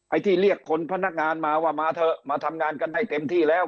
ที่เรียกคนพนักงานมาว่ามาเถอะมาทำงานกันได้เต็มที่แล้ว